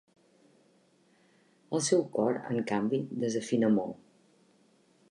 El seu cor, en canvi, desafina molt.